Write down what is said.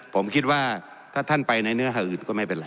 ผมคิดว่าถ้าท่านไปในเนื้อหาอืดก็ไม่เป็นไร